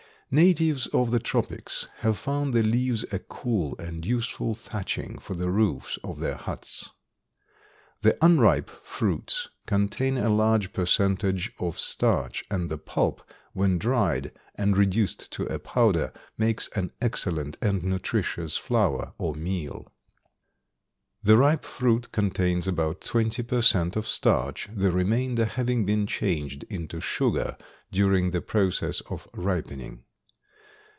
Natives of the tropics have found the leaves a cool and useful thatching for the roofs of their huts. The unripe fruits contain a large percentage of starch and the pulp, when dried and reduced to a powder, makes an excellent and nutritious flour or meal. The ripe fruit contains about twenty per cent of starch, the remainder having been changed into sugar during the process of ripening.